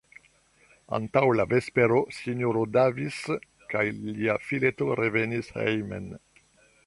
Antaŭ la vespero S-ro Davis kaj lia fileto revenis hejmen.